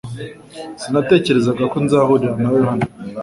Sinatekerezaga ko nzahurira nawe hano